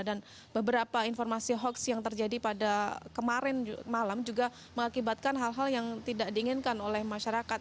dan beberapa informasi hoaks yang terjadi pada kemarin malam juga mengakibatkan hal hal yang tidak diinginkan oleh masyarakat